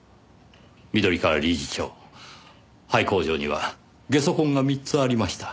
緑川理事長廃工場には下足痕が３つありました。